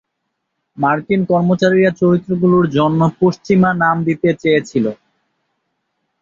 মার্কিন কর্মচারীরা চরিত্রগুলোর জন্য পশ্চিমা নাম দিতে চেয়েছিল।